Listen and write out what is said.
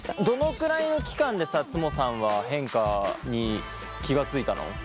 どのくらいの期間でさつもさんは変化に気が付いたの？